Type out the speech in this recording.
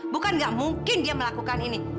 bukan nggak mungkin dia melakukan ini